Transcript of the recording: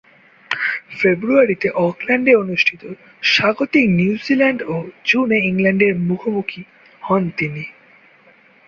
ফেব্রুয়ারিতে অকল্যান্ডে অনুষ্ঠিত স্বাগতিক নিউজিল্যান্ড ও জুনে ইংল্যান্ডের মুখোমুখি হন তিনি।